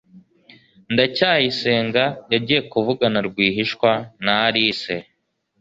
ndacyayisenga yagiye kuvugana rwihishwa na alice